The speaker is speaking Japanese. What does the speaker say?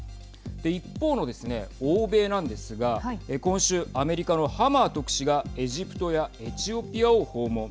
一方のですね、欧米なんですが今週、アメリカのハマー特使がエジプトやエチオピアを訪問。